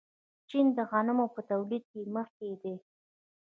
چین د غنمو په تولید کې مخکښ دی.